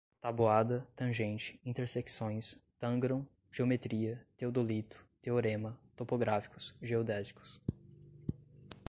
tabuada, tangente, intersecções, tangram, geometria, teodolito, teorema, topográficos, geodésicos